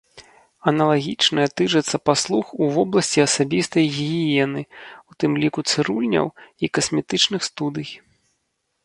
Аналагічнае тычыцца паслуг у вобласці асабістай гігіены, у тым ліку цырульняў і касметычных студый.